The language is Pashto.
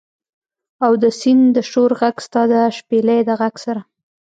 او د سیند د شور ږغ، ستا د شپیلۍ د ږغ سره